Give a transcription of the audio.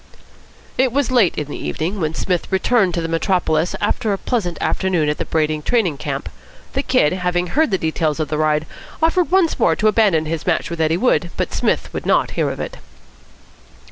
It was late in the evening when Psmith returned to the metropolis, after a pleasant afternoon at the Brady training camp. The Kid, having heard the details of the ride, offered once more to abandon his match with Eddie Wood, but Psmith would not hear of it.